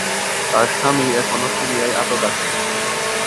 তার স্বামী এখনো সিরিয়ায় আটক আছেন।